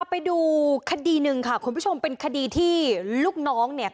ไปดูคดีหนึ่งค่ะคุณผู้ชมเป็นคดีที่ลูกน้องเนี่ย